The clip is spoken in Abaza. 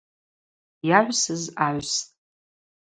Йагӏвсыз агӏвстӏ.